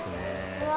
うわ。